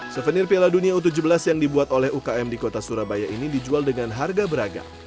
souvenir piala dunia u tujuh belas yang dibuat oleh ukm di kota surabaya ini dijual dengan harga beragam